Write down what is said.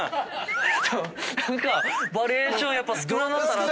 何かバリエーション少ななったなと。